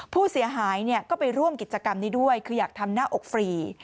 ผู้เสียหายก็ไปร่วมกิจกรรมนี้ด้วยคืออยากทำหน้าอกฟรี